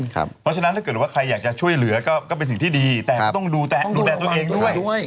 เพราะฉะนั้นถ้าเกิดว่าใครอยากจะช่วยเหลือก็เป็นสิ่งที่ดีแต่ก็ต้องดูแลตัวเองด้วย